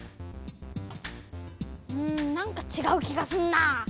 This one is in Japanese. うんなんかちがうきがすんなあ。